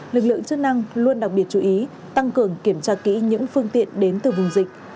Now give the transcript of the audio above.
lực lượng chức năng luôn đặc biệt chú ý tăng cường kiểm tra kỹ những phương tiện đến từ vùng dịch